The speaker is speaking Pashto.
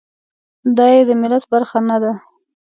دای د ملت برخه نه ده.